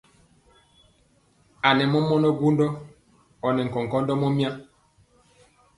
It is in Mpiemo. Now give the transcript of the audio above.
A nɛ mɔmɔnɔ gwondɔ ɔ nɛ nkɔnkɔndɔ mɔmya.